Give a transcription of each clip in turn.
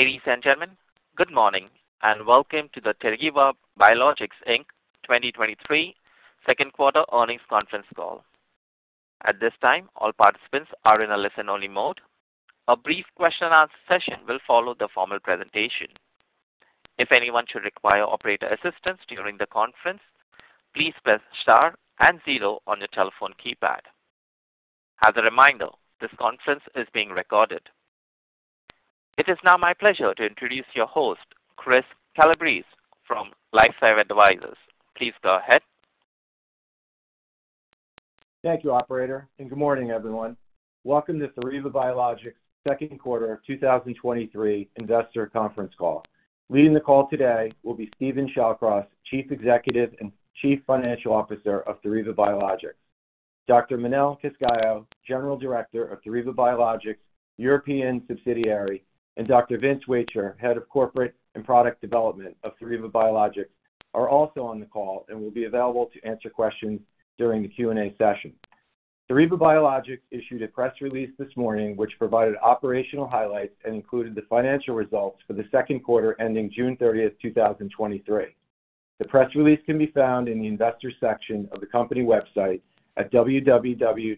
Ladies and gentlemen, good morning, and welcome to the Theriva Biologics Inc. 2023 second quarter earnings conference call. At this time, all participants are in a listen-only mode. A brief question and answer session will follow the formal presentation. If anyone should require operator assistance during the conference, please press * and zero on your telephone keypad. As a reminder, this conference is being recorded. It is now my pleasure to introduce your host, Chris Calabrese from LifeSci Advisors. Please go ahead. Thank you, operator, and good morning, everyone. Welcome to Theriva Biologics' second quarter of 2023 investor conference call. Leading the call today will be Steven Shallcross, Chief Executive and Chief Financial Officer of Theriva Biologics. Dr. Manel Cascalló, General Director of Theriva Biologics' European subsidiary, and Dr. Vince Wacher, Head of Corporate and Product Development of Theriva Biologics, are also on the call and will be available to answer questions during the Q&A session. Theriva Biologics issued a press release this morning, which provided operational highlights and included the financial results for the second quarter ending June 30, 2023. The press release can be found in the investor section of the company website at www.therivabio.com,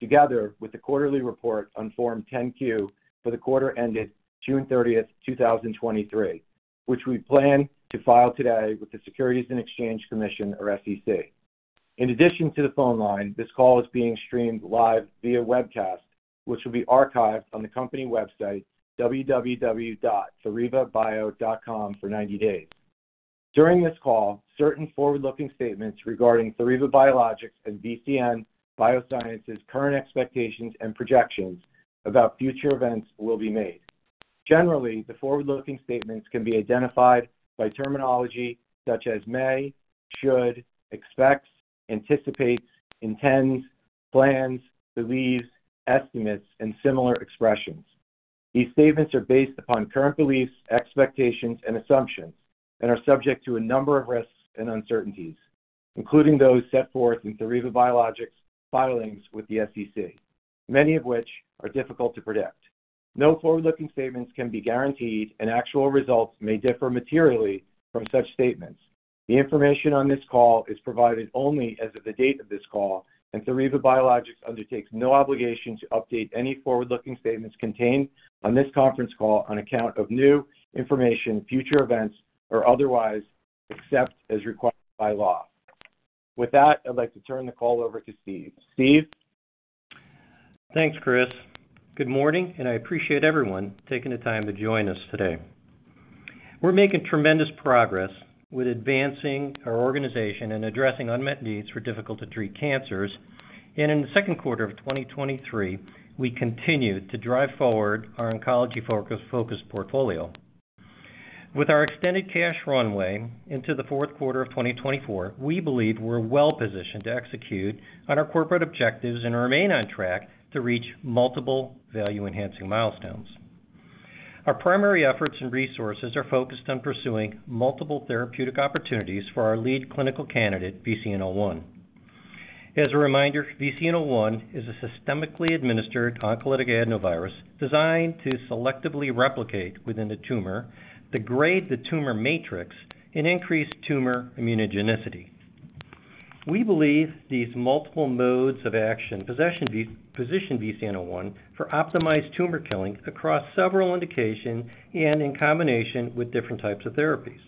together with the quarterly report on Form 10-Q for the quarter ended June 30, 2023, which we plan to file today with the Securities and Exchange Commission, or SEC. In addition to the phone line, this call is being streamed live via webcast, which will be archived on the company website, www.therivabio.com, for 90 days. During this call, certain forward-looking statements regarding Theriva Biologics and VCN Biosciences' current expectations and projections about future events will be made. Generally, the forward-looking statements can be identified by terminology such as may, should, expects, anticipates, intends, plans, believes, estimates, and similar expressions. These statements are based upon current beliefs, expectations, and assumptions and are subject to a number of risks and uncertainties, including those set forth in Theriva Biologics' filings with the SEC, many of which are difficult to predict. No forward-looking statements can be guaranteed, and actual results may differ materially from such statements. The information on this call is provided only as of the date of this call, and Theriva Biologics undertakes no obligation to update any forward-looking statements contained on this conference call on account of new information, future events, or otherwise, except as required by law. With that, I'd like to turn the call over to Steve. Steve? Thanks, Chris. Good morning. I appreciate everyone taking the time to join us today. We're making tremendous progress with advancing our organization and addressing unmet needs for difficult-to-treat cancers. In the second quarter of 2023, we continued to drive forward our oncology-focused portfolio. With our extended cash runway into the fourth quarter of 2024, we believe we're well-positioned to execute on our corporate objectives and remain on track to reach multiple value-enhancing milestones. Our primary efforts and resources are focused on pursuing multiple therapeutic opportunities for our lead clinical candidate, VCN-01. As a reminder, VCN-01 is a systemically administered oncolytic adenovirus designed to selectively replicate within the tumor, degrade the tumor matrix, and increase tumor immunogenicity. We believe these multiple modes of action position VCN-01 for optimized tumor killing across several indications and in combination with different types of therapies.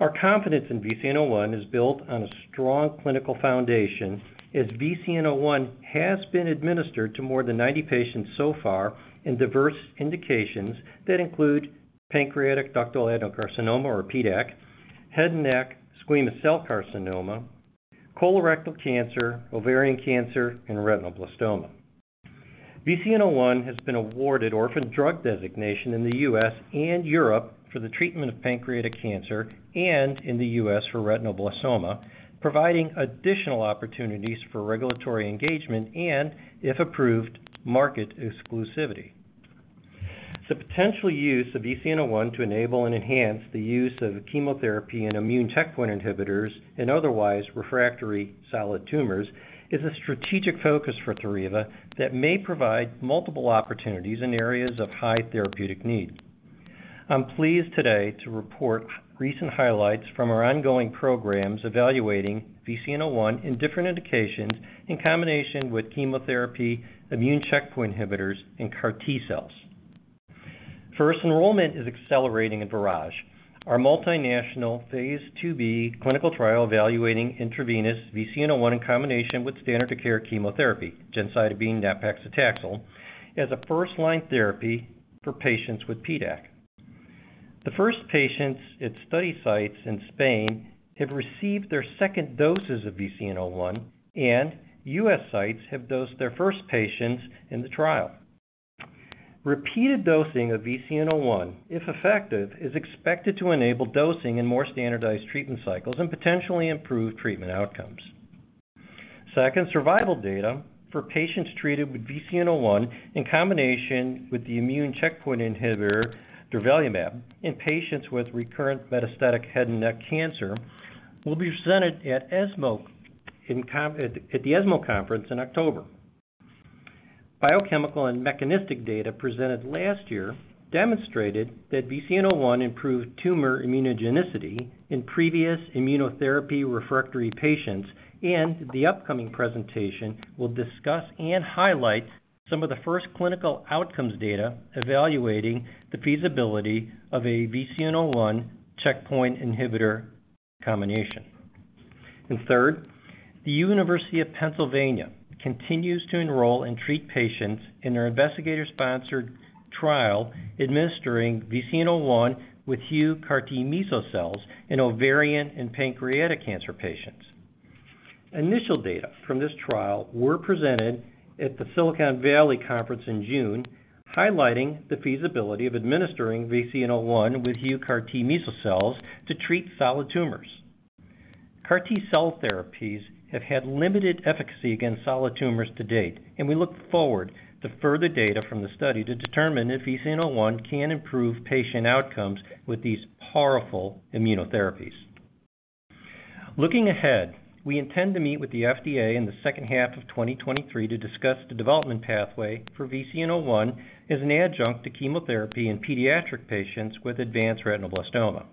Our confidence in VCN-01 is built on a strong clinical foundation, as VCN-01 has been administered to more than 90 patients so far in diverse indications that include pancreatic ductal adenocarcinoma, or PDAC, head and neck squamous cell carcinoma, colorectal cancer, ovarian cancer, and retinoblastoma. VCN-01 has been awarded orphan drug designation in the U.S. and Europe for the treatment of pancreatic cancer and in the U.S. for retinoblastoma, providing additional opportunities for regulatory engagement and, if approved, market exclusivity. The potential use of VCN-01 to enable and enhance the use of chemotherapy and immune checkpoint inhibitors in otherwise refractory solid tumors is a strategic focus for Theriva that may provide multiple opportunities in areas of high therapeutic need. I'm pleased today to report recent highlights from our ongoing programs evaluating VCN-01 in different indications in combination with chemotherapy, immune checkpoint inhibitors, and CAR T-cells. First, enrollment is accelerating in VIRAGE, our multinational Phase 2b clinical trial evaluating intravenous VCN-01 in combination with standard-of-care chemotherapy, gemcitabine plus nab-paclitaxel, as a first-line therapy for patients with PDAC. The first patients at study sites in Spain have received their second doses of VCN-01, and U.S. sites have dosed their first patients in the trial. Repeated dosing of VCN-01, if effective, is expected to enable dosing in more standardized treatment cycles and potentially improve treatment outcomes. Second, survival data for patients treated with VCN-01 in combination with the immune checkpoint inhibitor durvalumab in patients with recurrent metastatic head and neck cancer will be presented at the ESMO conference in October. Biochemical and mechanistic data presented last year demonstrated that VCN-01 improved tumor immunogenicity in previous immunotherapy-refractory patients, and the upcoming presentation will discuss and highlight some of the first clinical outcomes data evaluating the feasibility of a VCN-01 checkpoint inhibitor combination. Third, the University of Pennsylvania continues to enroll and treat patients in their investigator-sponsored trial, administering VCN-01 with huCART-meso cells in ovarian and pancreatic cancer patients. Initial data from this trial were presented at the Silicon Valley Conference in June, highlighting the feasibility of administering VCN-01 with huCART-meso cells to treat solid tumors. CAR T-cell therapies have had limited efficacy against solid tumors to date, and we look forward to further data from the study to determine if VCN-01 can improve patient outcomes with these powerful immunotherapies. Looking ahead, we intend to meet with the FDA in the second half of 2023 to discuss the development pathway for VCN-01 as an adjunct to chemotherapy in pediatric patients with advanced retinoblastoma.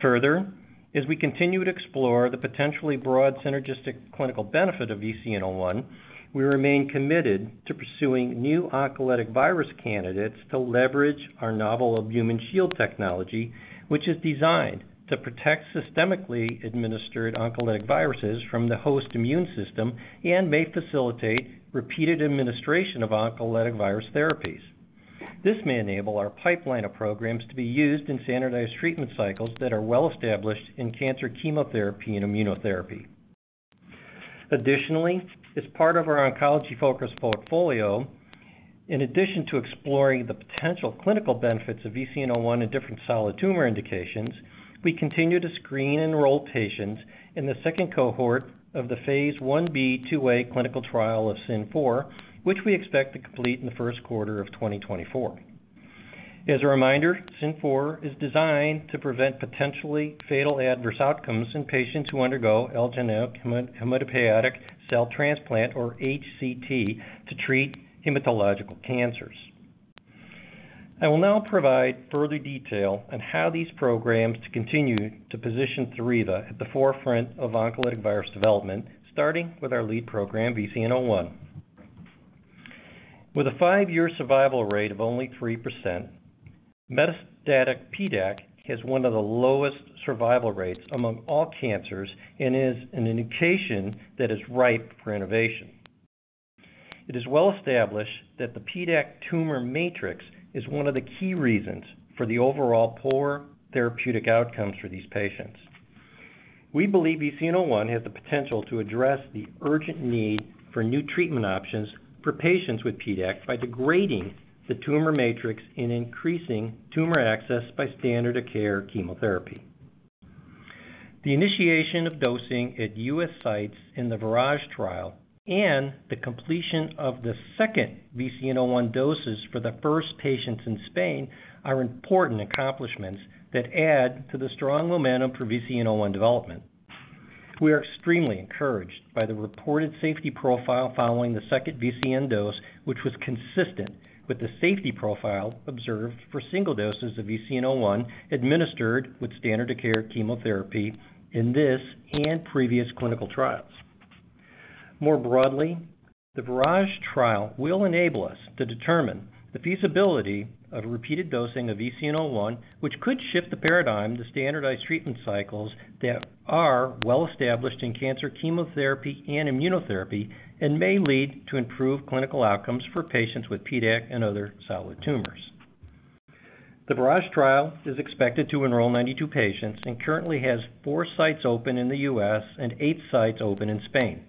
Further, as we continue to explore the potentially broad synergistic clinical benefit of VCN-01, we remain committed to pursuing new oncolytic virus candidates to leverage our novel Albumin Shield Technology, which is designed to protect systemically administered oncolytic viruses from the host immune system and may facilitate repeated administration of oncolytic virus therapies. This may enable our pipeline of programs to be used in standardized treatment cycles that are well established in cancer chemotherapy and immunotherapy. Additionally, as part of our oncology-focused portfolio, in addition to exploring the potential clinical benefits of VCN-01 in different solid tumor indications, we continue to screen and enroll patients in the second cohort of the phase 1B/2A clinical trial of SYN-004, which we expect to complete in the first quarter of 2024. As a reminder, SYN-004 is designed to prevent potentially fatal adverse outcomes in patients who undergo allogeneic hematopoietic cell transplant, or HCT, to treat hematological cancers. I will now provide further detail on how these programs continue to position Theriva at the forefront of oncolytic virus development, starting with our lead program, VCN-01. With a 5-year survival rate of only 3%, metastatic PDAC has one of the lowest survival rates among all cancers and is an indication that is ripe for innovation. It is well established that the PDAC tumor matrix is one of the key reasons for the overall poor therapeutic outcomes for these patients. We believe VCN-01 has the potential to address the urgent need for new treatment options for patients with PDAC by degrading the tumor matrix and increasing tumor access by standard of care chemotherapy. The initiation of dosing at US sites in the VIRAGE trial and the completion of the second VCN-01 doses for the first patients in Spain are important accomplishments that add to the strong momentum for VCN-01 development. We are extremely encouraged by the reported safety profile following the second VCN dose, which was consistent with the safety profile observed for single doses of VCN-01, administered with standard of care chemotherapy in this and previous clinical trials. More broadly, the VIRAGE trial will enable us to determine the feasibility of repeated dosing of VCN-01, which could shift the paradigm to standardized treatment cycles that are well established in cancer, chemotherapy, and immunotherapy, and may lead to improved clinical outcomes for patients with PDAC and other solid tumors. The VIRAGE trial is expected to enroll 92 patients and currently has four sites open in the U.S. and eight sites open in Spain.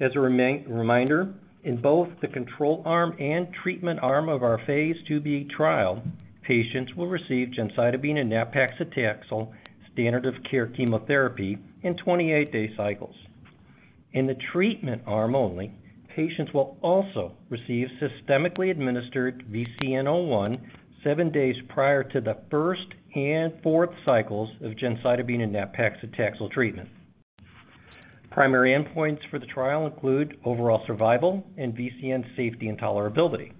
As a reminder, in both the control arm and treatment arm of our Phase 2b trial, patients will receive gemcitabine and nab-paclitaxel standard of care chemotherapy in 28-day cycles. In the treatment arm only, patients will also receive systemically administered VCN-01 seven days prior to the first and fourth cycles of gemcitabine and nab-paclitaxel treatment. Primary endpoints for the trial include overall survival and VCN safety and tolerability.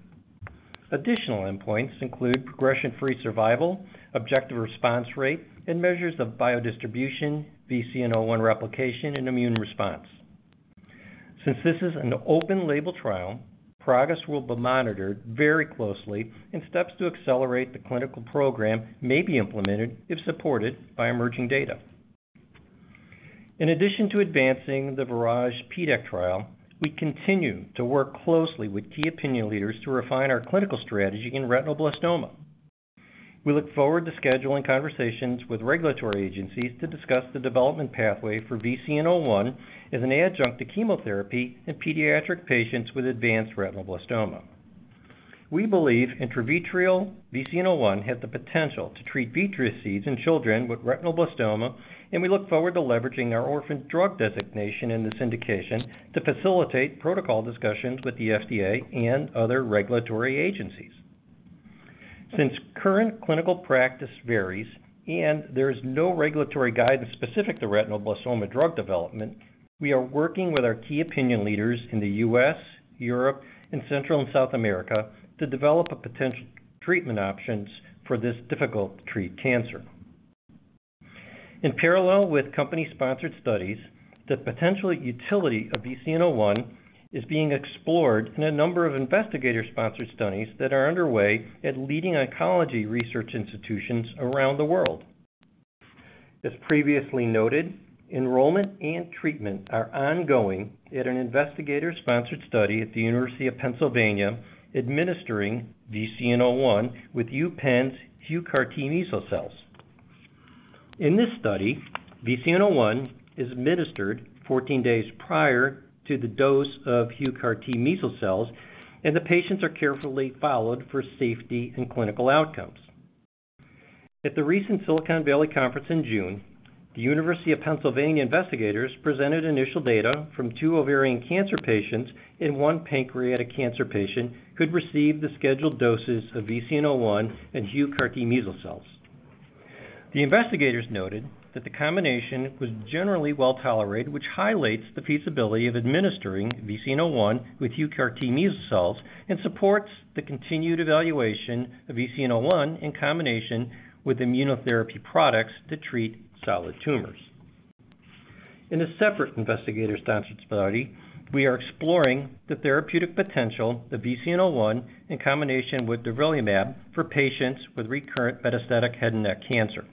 Additional endpoints include progression-free survival, objective response rate, and measures of biodistribution, VCN-01 replication, and immune response. Since this is an open label trial, progress will be monitored very closely and steps to accelerate the clinical program may be implemented if supported by emerging data. In addition to advancing the VIRAGE PDAC trial, we continue to work closely with key opinion leaders to refine our clinical strategy in retinoblastoma. We look forward to scheduling conversations with regulatory agencies to discuss the development pathway for VCN-01 as an adjunct to chemotherapy in pediatric patients with advanced retinoblastoma. We believe intravitreal VCN-01 has the potential to treat vitreous seeds in children with retinoblastoma, and we look forward to leveraging our orphan drug designation in this indication to facilitate protocol discussions with the FDA and other regulatory agencies. Since current clinical practice varies and there is no regulatory guidance specific to retinoblastoma drug development, we are working with our key opinion leaders in the U.S., Europe, and Central and South America to develop a potential treatment options for this difficult-to-treat cancer. In parallel with company-sponsored studies, the potential utility of VCN-01 is being explored in a number of investigator-sponsored studies that are underway at leading oncology research institutions around the world. As previously noted, enrollment and treatment are ongoing at an investigator-sponsored study at the University of Pennsylvania, administering VCN-01 with UPenn's huCART-meso cells. In this study, VCN-01 is administered 14 days prior to the dose of huCART-meso cells, and the patients are carefully followed for safety and clinical outcomes. At the recent Silicon Valley Conference in June, the University of Pennsylvania investigators presented initial data from two ovarian cancer patients and one pancreatic cancer patient who had received the scheduled doses of VCN-01 and huCART-meso cells. The investigators noted that the combination was generally well tolerated, which highlights the feasibility of administering VCN-01 with huCART-meso cells and supports the continued evaluation of VCN-01 in combination with immunotherapy products to treat solid tumors. In a separate investigator-sponsored study, we are exploring the therapeutic potential of VCN-01 in combination with durvalumab for patients with recurrent metastatic head and neck cancer.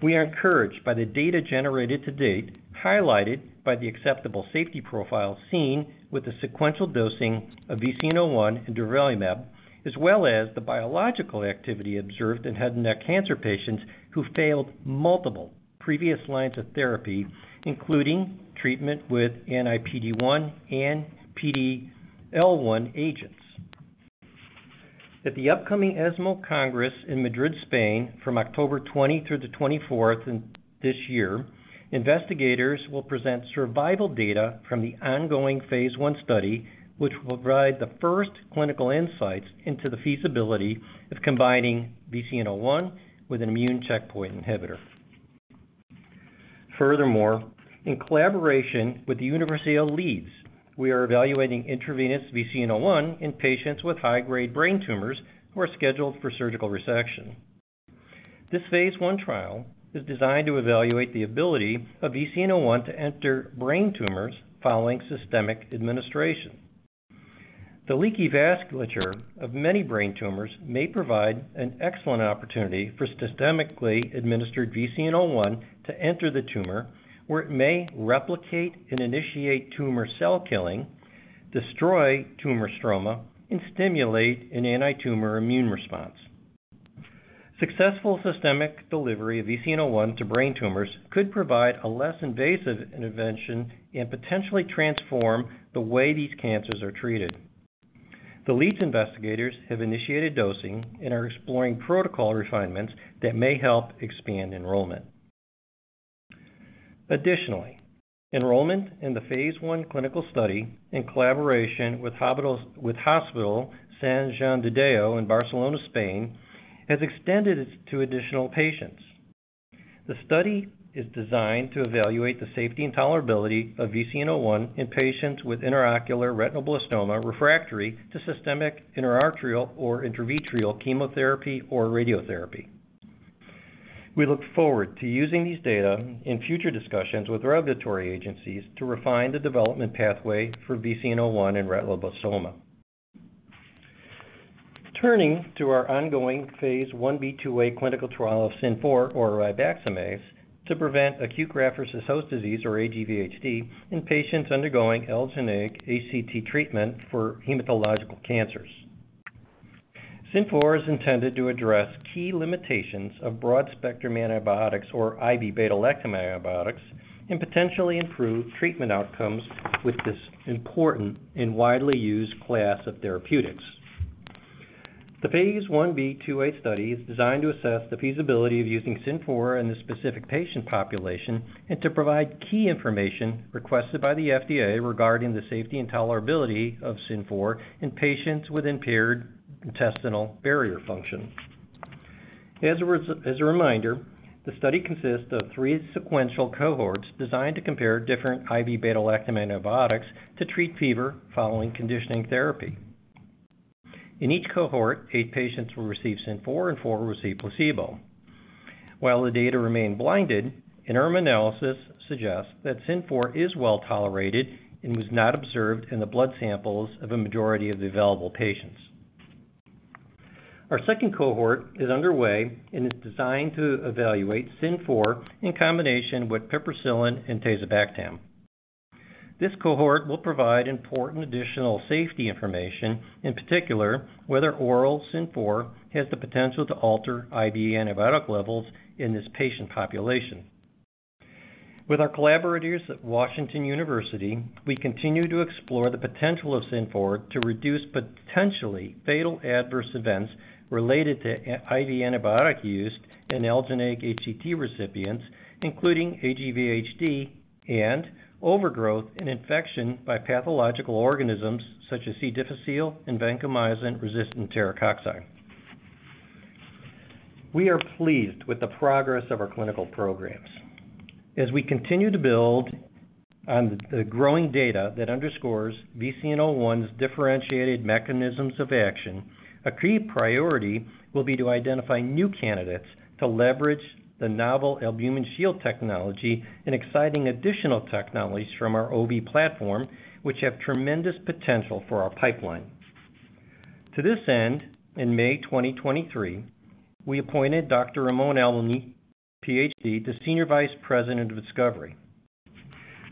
We are encouraged by the data generated to date, highlighted by the acceptable safety profile seen with the sequential dosing of VCN-01 and durvalumab, as well as the biological activity observed in head and neck cancer patients who failed multiple previous lines of therapy, including treatment with anti-PD-1 and PD-L1 agents. At the upcoming ESMO Congress in Madrid, Spain, from October 20 through the 24th this year, investigators will present survival data from the ongoing phase I study, which will provide the first clinical insights into the feasibility of combining VCN-01 with an immune checkpoint inhibitor. Furthermore, in collaboration with the University of Leeds, we are evaluating intravenous VCN-01 in patients with high-grade brain tumors who are scheduled for surgical resection. This phase I trial is designed to evaluate the ability of VCN-01 to enter brain tumors following systemic administration. The leaky vasculature of many brain tumors may provide an excellent opportunity for systemically administered VCN-01 to enter the tumor, where it may replicate and initiate tumor cell killing, destroy tumor stroma, and stimulate an anti-tumor immune response. Successful systemic delivery of VCN-01 to brain tumors could provide a less invasive intervention and potentially transform the way these cancers are treated. The Leeds investigators have initiated dosing and are exploring protocol refinements that may help expand enrollment. Enrollment in the phase I clinical study in collaboration with Hospital Sant Joan de Déu in Barcelona, Spain, has extended to additional patients. The study is designed to evaluate the safety and tolerability of VCN-01 in patients with intraocular retinoblastoma refractory to systemic intra-arterial or intravitreal chemotherapy or radiotherapy. We look forward to using these data in future discussions with regulatory agencies to refine the development pathway for VCN-01 in retinoblastoma. Turning to our ongoing Phase 1b/2a clinical trial of SYN-004, or ribaxamase, to prevent acute graft-versus-host disease, or AGVHD, in patients undergoing allogeneic ACT treatment for hematological cancers. SYN-004 is intended to address key limitations of broad-spectrum antibiotics or IV beta-lactam antibiotics and potentially improve treatment outcomes with this important and widely used class of therapeutics. The Phase 1b/2a study is designed to assess the feasibility of using SYN-004 in this specific patient population and to provide key information requested by the FDA regarding the safety and tolerability of SYN-004 in patients with impaired intestinal barrier function. As a reminder, the study consists of 3 sequential cohorts designed to compare different IV beta-lactam antibiotics to treat fever following conditioning therapy. In each cohort, 8 patients will receive SYN-004 and 4 will receive placebo. While the data remain blinded, an interim analysis suggests that SYN-004 is well tolerated and was not observed in the blood samples of a majority of the available patients. Our second cohort is underway and is designed to evaluate SYN-004 in combination with piperacillin and tazobactam. This cohort will provide important additional safety information, in particular, whether oral SYN-004 has the potential to alter IV antibiotic levels in this patient population. With our collaborators at Washington University, we continue to explore the potential of SYN-004 to reduce potentially fatal adverse events related to IV antibiotic use in allogeneic ACT recipients, including AGVHD and overgrowth and infection by pathological organisms such as C. difficile and vancomycin-resistant Enterococci. We are pleased with the progress of our clinical programs. As we continue to build on the growing data that underscores VCN-01's differentiated mechanisms of action, a key priority will be to identify new candidates to leverage the novel Albumin Shield Technology and exciting additional technologies from our OV platform, which have tremendous potential for our pipeline. To this end, in May 2023, we appointed Dr. Ramon Alemany, PhD, to Senior Vice President of Discovery.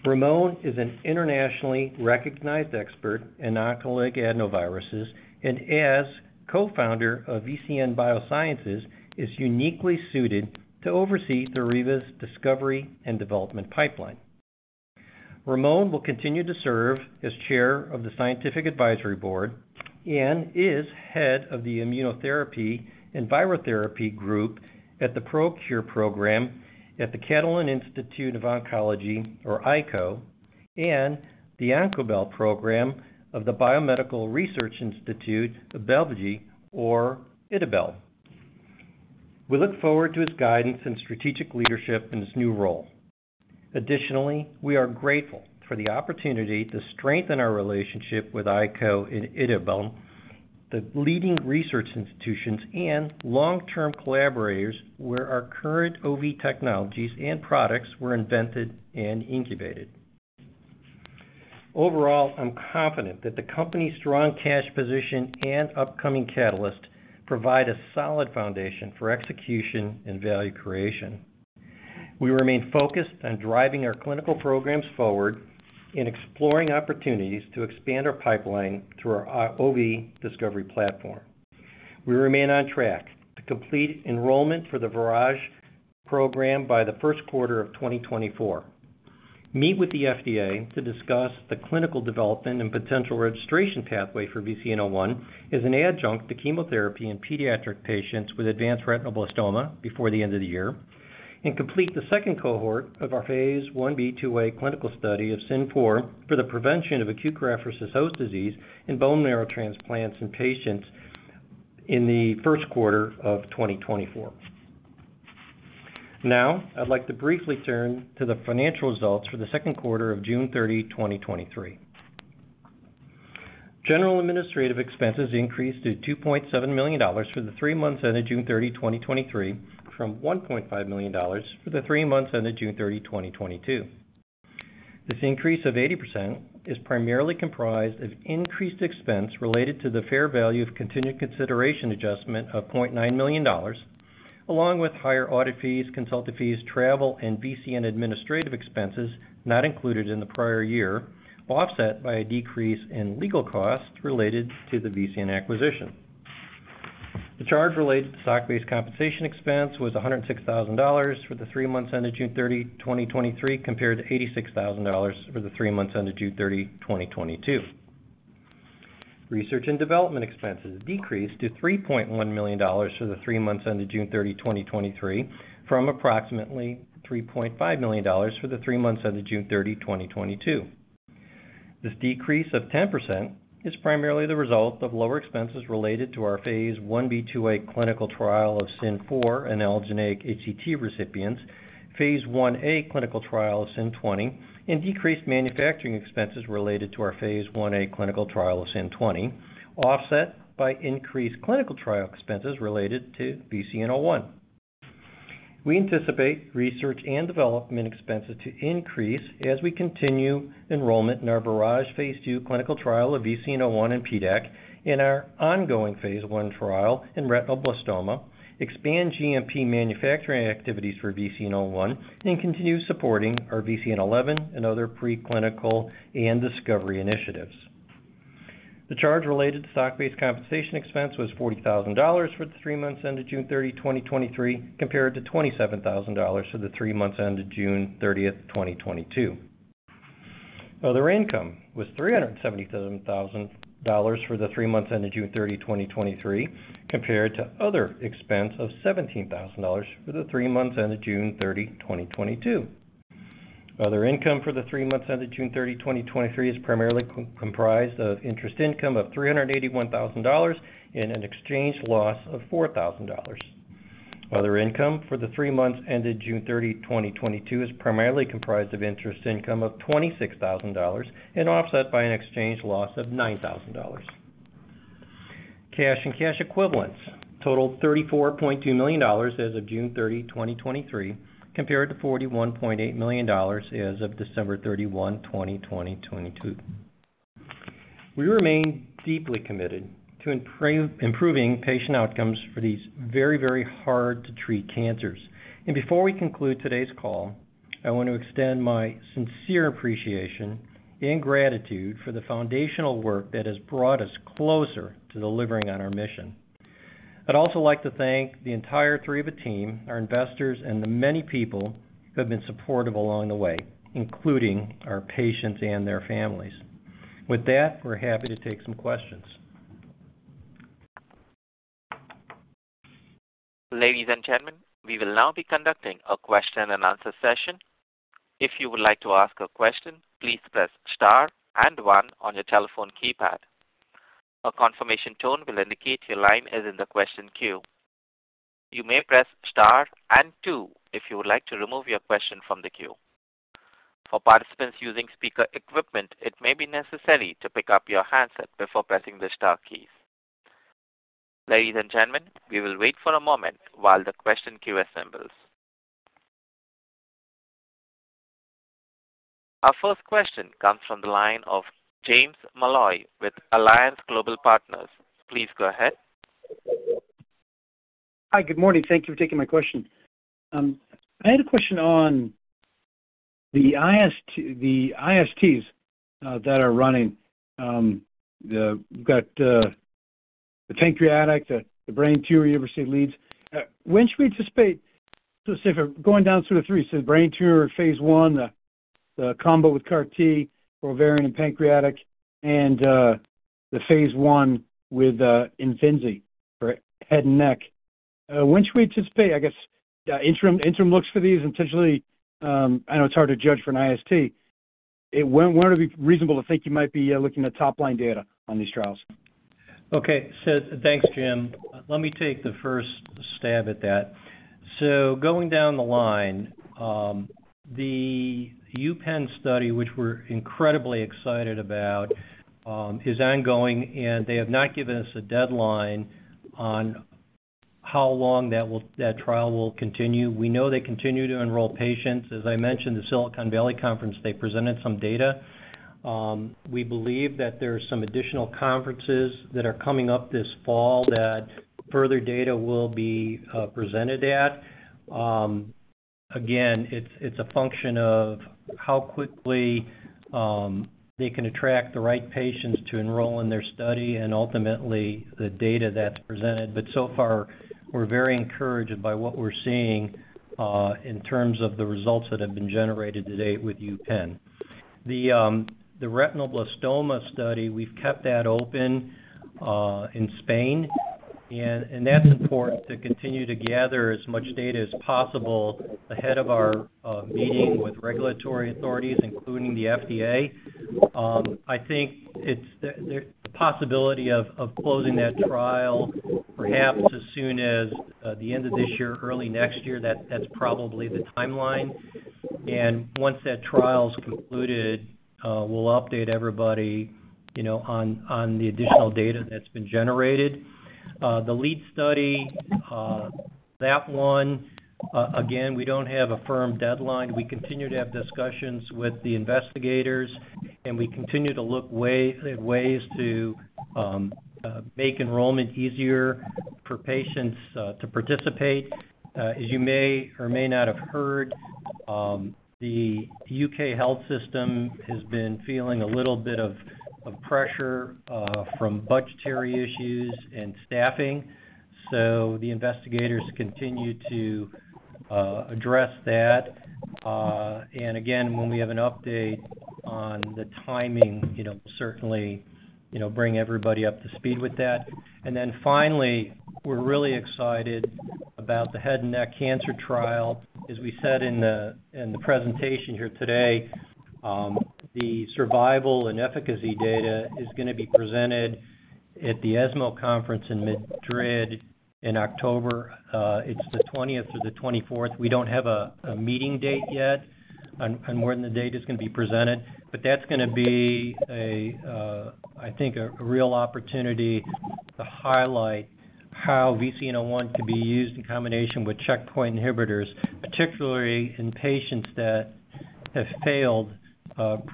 Ramon is an internationally recognized expert in oncolytic adenoviruses, and as co-founder of VCN Biosciences, is uniquely suited to oversee Theriva's discovery and development pipeline. Ramon will continue to serve as Chair of the Scientific Advisory Board and is Head of the Immunotherapy and Virotherapy Group at the ProCURE Program at the Catalan Institute of Oncology, or ICO, and the Oncobell Program of the Biomedical Research Institute of Bellvitge, or IDIBELL. We look forward to his guidance and strategic leadership in his new role. Additionally, we are grateful for the opportunity to strengthen our relationship with ICO and IDIBELL, the leading research institutions and long-term collaborators, where our current OV technologies and products were invented and incubated. Overall, I'm confident that the company's strong cash position and upcoming catalyst provide a solid foundation for execution and value creation. We remain focused on driving our clinical programs forward and exploring opportunities to expand our pipeline through our OV discovery platform. We remain on track to complete enrollment for the VIRAGE program by the 1st quarter of 2024, meet with the FDA to discuss the clinical development and potential registration pathway for VCN-01 as an adjunct to chemotherapy in pediatric patients with advanced retinoblastoma before the end of the year, and complete the 2nd cohort of our phase 1b/2a clinical study of SYN-004 for the prevention of acute graft-versus-host disease in bone marrow transplants in patients in the 1st quarter of 2024. I'd like to briefly turn to the financial results for the 2nd quarter of June 30, 2023. General administrative expenses increased to $2.7 million for the 3 months ended June 30, 2023, from $1.5 million for the 3 months ended June 30, 2022. This increase of 80% is primarily comprised of increased expense related to the fair value of continued consideration adjustment of $0.9 million, along with higher audit fees, consulting fees, travel, and VCN administrative expenses not included in the prior year, offset by a decrease in legal costs related to the VCN acquisition. The charge related to stock-based compensation expense was $106,000 for the three months ended June 30, 2023, compared to $86,000 for the three months ended June 30, 2022. Research and development expenses decreased to $3.1 million for the three months ended June 30, 2023, from approximately $3.5 million for the three months ended June 30, 2022. This decrease of 10% is primarily the result of lower expenses related to our phase 1b/2a clinical trial of SYN-004 in allogeneic HCT recipients, phase 1a clinical trial of SYN-020, and decreased manufacturing expenses related to our phase 1a clinical trial of SYN-020, offset by increased clinical trial expenses related to VCN-01. We anticipate research and development expenses to increase as we continue enrollment in our VIRAGE phase 2 clinical trial of VCN-01 and PDAC and our ongoing phase 1 trial in retinoblastoma, expand GMP manufacturing activities for VCN-01, and continue supporting our VCN-11 and other preclinical and discovery initiatives. The charge related to stock-based compensation expense was $40,000 for the three months ended June 30, 2023, compared to $27,000 for the three months ended June 30, 2022. Other income was $377,000 for the three months ended June 30, 2023, compared to other expense of $17,000 for the three months ended June 30, 2022. Other income for the three months ended June 30, 2023, is primarily comprised of interest income of $381,000, and an exchange loss of $4,000. Other income for the three months ended June 30, 2022, is primarily comprised of interest income of $26,000 and offset by an exchange loss of $9,000. Cash and cash equivalents totaled $34.2 million as of June 30, 2023, compared to $41.8 million as of December 31, 2022. We remain deeply committed to improving patient outcomes for these very, very hard-to-treat cancers. Before we conclude today's call, I want to extend my sincere appreciation and gratitude for the foundational work that has brought us closer to delivering on our mission. I'd also like to thank the entire Theriva team, our investors, and the many people who have been supportive along the way, including our patients and their families. With that, we're happy to take some questions. Ladies and gentlemen, we will now be conducting a question and answer session. If you would like to ask a question, please press * and one on your telephone keypad. A confirmation tone will indicate your line is in the question queue. You may press * and two if you would like to remove your question from the queue. For participants using speaker equipment, it may be necessary to pick up your handset before pressing the star key. Ladies and gentlemen, we will wait for a moment while the question queue assembles. Our first question comes from the line of James Molloy with Alliance Global Partners. Please go ahead. Hi, good morning. Thank you for taking my question. I had a question on the IST, the ISTs that are running. The, you've got the pancreatic, the brain tumor, University of Leeds. When should we anticipate, specifically, going down through the 3, so brain tumor phase 1, the combo with CAR T for ovarian and pancreatic, and the phase 1 with Imfinzi for head and neck. When should we anticipate, I guess, interim, interim looks for these, potentially? I know it's hard to judge for an IST. When, when would it be reasonable to think you might be looking at top-line data on these trials? Thanks, Jim. Let me take the first stab at that. Going down the line, the UPenn study, which we're incredibly excited about, is ongoing, and they have not given us a deadline on how long that trial will continue. We know they continue to enroll patients. As I mentioned, the Silicon Valley Conference, they presented some data. We believe that there are some additional conferences that are coming up this fall that further data will be presented at. Again, it's, it's a function of how quickly they can attract the right patients to enroll in their study and ultimately the data that's presented. So far, we're very encouraged by what we're seeing in terms of the results that have been generated to date with UPenn. The retinoblastoma study, we've kept that open in Spain, and that's important to continue to gather as much data as possible ahead of our meeting with regulatory authorities, including the FDA. I think there's a possibility of closing that trial perhaps as soon as the end of this year, early next year. That's probably the timeline. Once that trial is concluded, we'll update everybody, you know, on the additional data that's been generated. The lead study, that one, again, we don't have a firm deadline. We continue to have discussions with the investigators, we continue to look ways to make enrollment easier for patients to participate. As you may or may not have heard, the U.K. health system has been feeling a little bit of, of pressure, from budgetary issues and staffing, so the investigators continue to address that. Again, when we have an update on the timing, you know, certainly, you know, bring everybody up to speed with that. Finally, we're really excited about the head and neck cancer trial. As we said in the, in the presentation here today, the survival and efficacy data is gonna be presented at the ESMO Congress in Madrid in October. It's the 20th to the 24th. We don't have a meeting date yet on when the date is going to be presented, but that's gonna be a, I think, a real opportunity to highlight how VCN-01 can be used in combination with checkpoint inhibitors, particularly in patients that have failed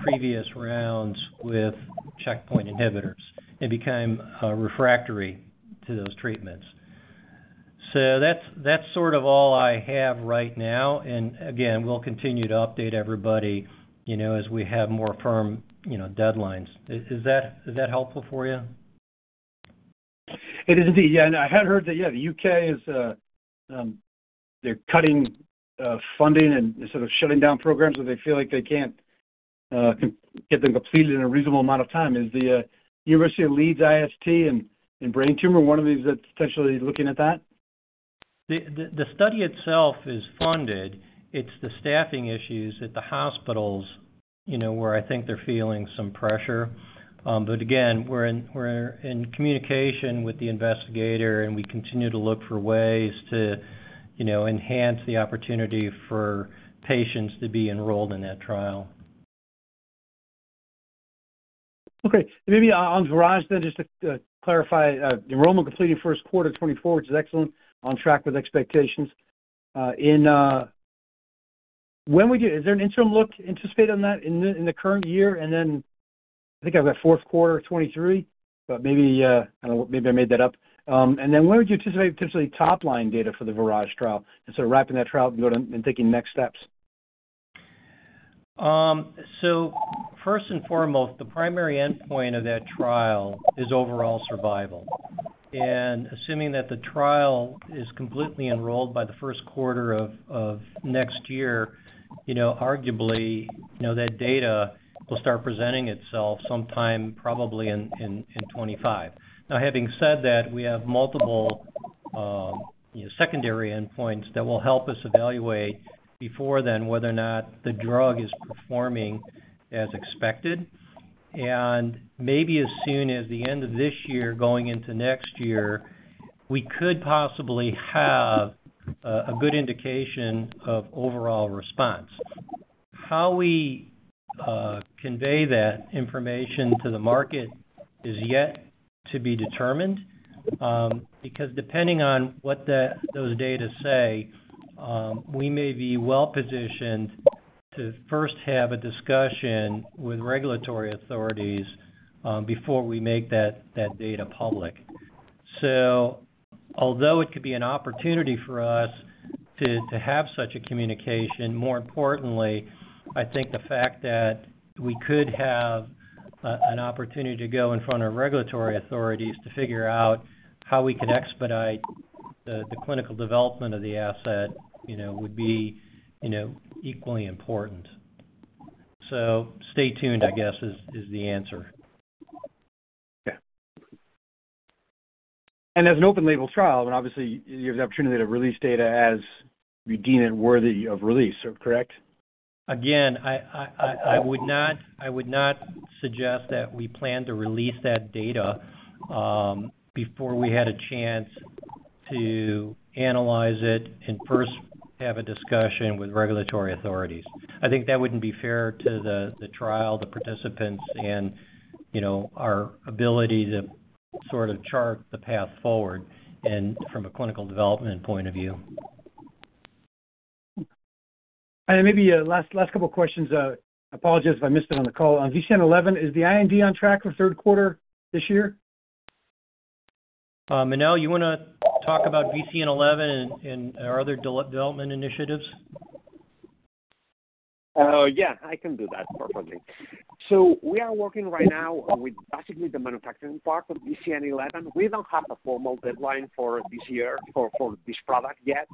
previous rounds with checkpoint inhibitors and became refractory to those treatments. That's, that's sort of all I have right now. Again, we'll continue to update everybody, you know, as we have more firm, you know, deadlines. Is that, is that helpful for you? It is indeed. Yeah. I had heard that, yeah, the U.K. is, they're cutting funding and sort of shutting down programs so they feel like they can't get them completed in a reasonable amount of time. Is the University of Leeds IST in, in brain tumor one of these that's potentially looking at that? The, the, the study itself is funded. It's the staffing issues at the hospitals, you know, where I think they're feeling some pressure. Again, we're in, we're in communication with the investigator, and we continue to look for ways to, you know, enhance the opportunity for patients to be enrolled in that trial. Okay. Maybe on Virage, then, just to, to clarify, enrollment completed first quarter 2024, which is excellent, on track with expectations. Is there an interim look anticipated on that in the, in the current year? I think I've got fourth quarter 2023, but maybe, I don't know, maybe I made that up. When would you anticipate potentially top-line data for the Virage trial and sort of wrapping that trial and taking next steps? First and foremost, the primary endpoint of that trial is overall survival. Assuming that the trial is completely enrolled by the first quarter of next year, you know, arguably, you know, that data will start presenting itself sometime probably in 2025. Having said that, we have multiple secondary endpoints that will help us evaluate before then whether or not the drug is performing as expected. Maybe as soon as the end of this year, going into next year, we could possibly have a good indication of overall response. How we convey that information to the market is yet to be determined, because depending on what those data say, we may be well positioned to first have a discussion with regulatory authorities before we make that data public. Although it could be an opportunity for us to, to have such a communication, more importantly, I think the fact that we could have an opportunity to go in front of regulatory authorities to figure out how we could expedite the, the clinical development of the asset, you know, would be, you know, equally important. Stay tuned, I guess, is, is the answer. Yeah. As an open label trial, then obviously you have the opportunity to release data as you deem it worthy of release, correct? I would not, I would not suggest that we plan to release that data, before we had a chance to analyze it and first have a discussion with regulatory authorities. I think that wouldn't be fair to the, the trial, the participants and, you know, our ability to sort of chart the path forward and from a clinical development point of view. Maybe, last, last couple questions. I apologize if I missed it on the call. On VCN-11, is the IND on track for third quarter this year? Manuel, you want to talk about VCN-11 and our other development initiatives? Yeah, I can do that perfectly. We are working right now with basically the manufacturing part of VCN-11. We don't have a formal deadline for this year for this product yet.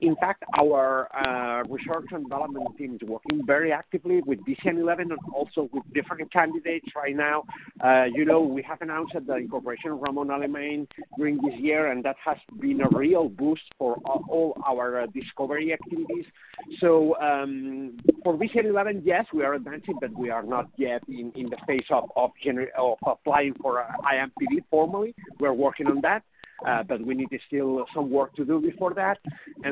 In fact, our research and development team is working very actively with VCN-11 and also with different candidates right now. You know, we have announced that the incorporation Ramon Alemany during this year, and that has been a real boost for all our discovery activities. For VCN-11, yes, we are advancing, but we are not yet in the phase of applying for IMPD formally. We're working on that, but we need to still some work to do before that.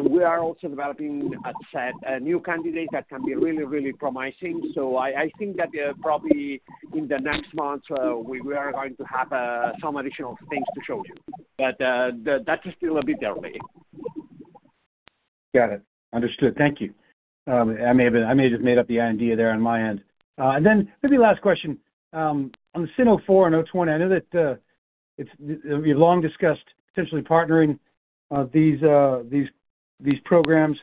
We are also developing a set new candidates that can be really, really promising. I think that, probably in the next months, we are going to have, some additional things to show you. That is still a bit early. Got it. Understood. Thank you. I may have, I may have just made up the IND there on my end. Then maybe last question. On the SYN-004 and SYN-020, I know that you've long discussed potentially partnering these programs.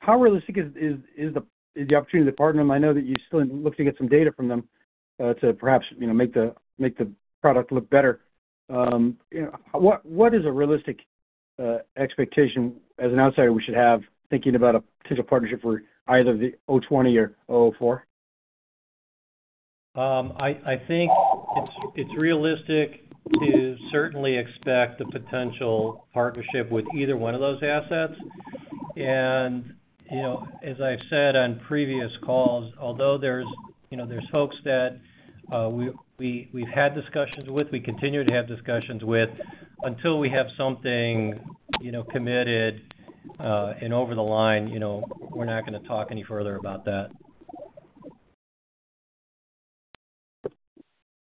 How realistic is the opportunity to partner them? I know that you still look to get some data from them to perhaps, you know, make the product look better. You know, what is a realistic expectation as an outsider we should have thinking about a potential partnership for either the SYN-020 or SYN-004? I, I think it's, it's realistic to certainly expect a potential partnership with either one of those assets. You know, as I've said on previous calls, although there's, you know, there's folks that, we, we've had discussions with, we continue to have discussions with. Until we have something, you know, committed, and over the line, you know, we're not going to talk any further about that.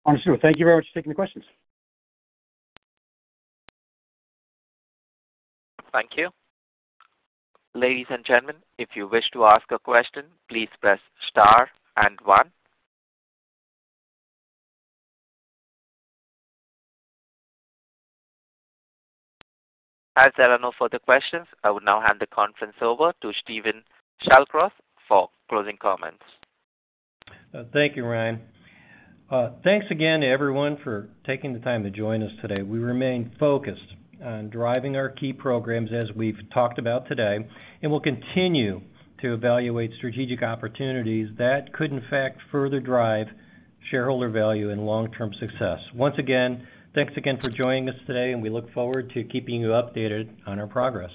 Understood. Thank you very much for taking the questions. Thank you. Ladies and gentlemen, if you wish to ask a question, please press * and 1. As there are no further questions, I would now hand the conference over to Steven Shallcross for closing comments. Thank you, Ryan. Thanks again to everyone for taking the time to join us today. We remain focused on driving our key programs as we've talked about today. We'll continue to evaluate strategic opportunities that could in fact further drive shareholder value and long-term success. Once again, thanks again for joining us today. We look forward to keeping you updated on our progress.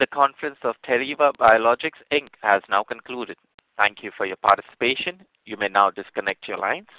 The conference of Theriva Biologics, Inc. has now concluded. Thank you for your participation. You may now disconnect your lines.